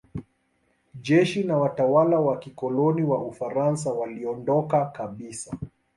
Jeshi na watawala wa kikoloni wa Ufaransa waliondoka kabisa.